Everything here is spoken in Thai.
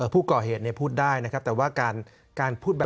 ผู้ก่อเหตุพูดได้นะครับแต่ว่าการพูดแบบ